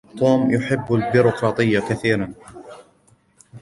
توم يحب البيروقراطية كثيرا.